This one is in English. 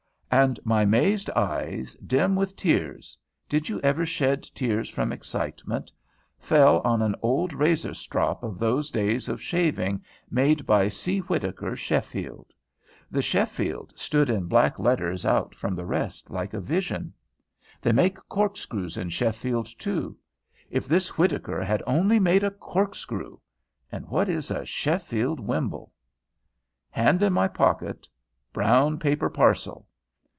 And my mazed eyes, dim with tears, did you ever shed tears from excitement? fell on an old razor strop of those days of shaving, made by C. WHITTAKER, SHEFFIELD. The "Sheffield" stood in black letters out from the rest like a vision. They make corkscrews in Sheffield too. If this Whittaker had only made a corkscrew! And what is a "Sheffield wimble"? Hand in my pocket, brown paper parcel.